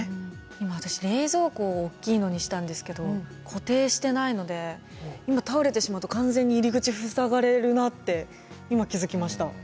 今私冷蔵庫を大きいのにしたんですけど固定してないので今倒れてしまうと完全に入り口塞がれるなって今気付きました。